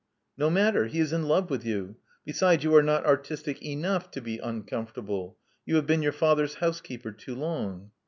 *'No matter. He is in love with you. Besides, you are not artistic enough to be uncomfortable. . You have been your father's housekeeper too long."